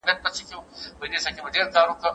د دیني پوهنو په برخه کي هم پلټني کیږي.